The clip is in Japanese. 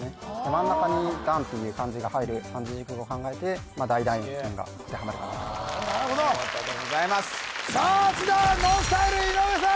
真ん中に「団」っていう漢字が入る三字熟語を考えて大団円っていうのが当てはまるかなとお見事でございますさあきたＮＯＮＳＴＹＬＥ井上さん